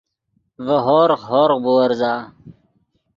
ڤے ہورغ، ہورغ بُورزا